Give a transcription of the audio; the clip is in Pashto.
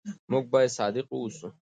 موږ باید صادق واوسو.